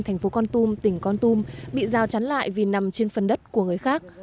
thành phố con tum tỉnh con tum bị giao chắn lại vì nằm trên phần đất của người khác